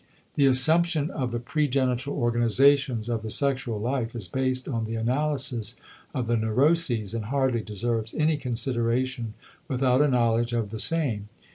The assumption of the pregenital organizations of the sexual life is based on the analysis of the neuroses and hardly deserves any consideration without a knowledge of the same.